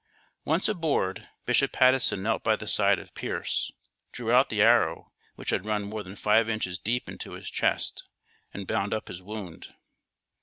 Once aboard, Bishop Patteson knelt by the side of Pearce, drew out the arrow which had run more than five inches deep into his chest, and bound up his wound.